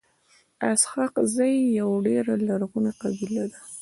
اسحق زی يوه ډيره لرغوني قبیله ده.